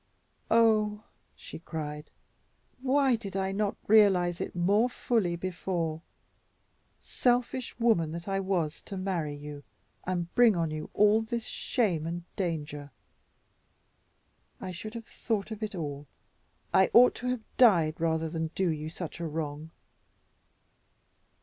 "Oh, oh," she cried, "why did I not realize it more fully before? Selfish woman that I was, to marry you and bring on you all this shame and danger. I should have thought of it all, I ought to have died rather than do you such a wrong."